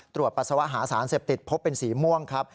ปัสสาวะหาสารเสพติดพบเป็นสีม่วงครับ